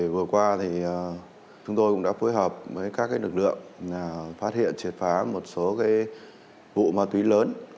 vừa qua chúng tôi cũng đã phối hợp với các lực lượng phát hiện triệt phá một số vụ ma túy lớn